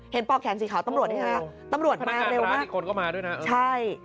ปอกแขนสีขาวตำรวจไหมคะตำรวจมาเร็วมากอีกคนก็มาด้วยนะใช่